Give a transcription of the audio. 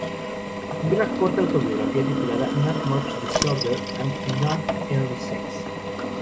Escribió una corta autobiografía titulada "Not Much Disorder and Not So Early Sex".